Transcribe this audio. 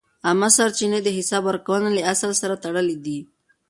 عامه سرچینې د حساب ورکونې له اصل سره تړلې دي.